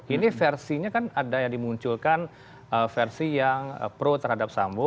ini versinya kan ada yang dimunculkan versi yang pro terhadap sambo